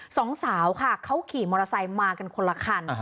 สองสาวค่ะเขาขี่มอเตอร์ไซค์มากันคนละคัน